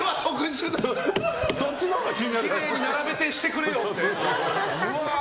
きれいに並べてしてくれよって。